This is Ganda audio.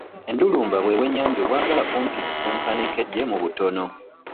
Endulumba bwe bwennyanja obwagala kumpi okwenkana enkejje mu butono.